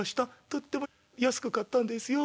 とっても安く買ったんですよ。